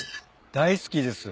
大好きです。